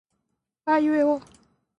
aiueo